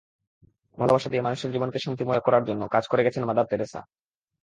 ভালোবাসা দিয়ে মানুষের জীবনকে শান্তিময় করার জন্য কাজ করে গেছেন মাদার তেরেসা।